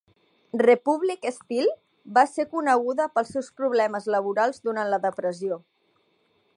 Republic Steel va ser coneguda pels seus problemes laborals durant la depressió.